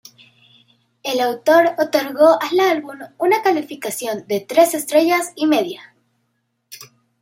El autor otorgó al álbum una calificación de tres estrellas y media.